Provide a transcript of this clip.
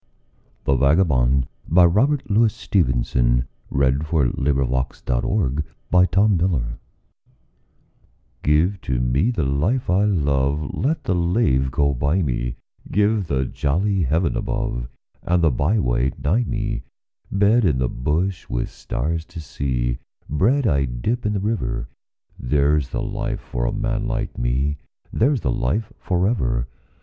Other Verses by Robert Louis Stevenson ITHE VAGABOND (To an air of Schubert) GIVE to me the life I love, Let the lave go by me, Give the jolly heaven above And the byway nigh me. Bed in the bush with stars to see, Bread I dip in the river There's the life for a man like me, There's the life for ever.